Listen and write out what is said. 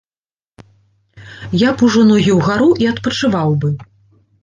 Я б ужо ногі ўгару і адпачываў бы.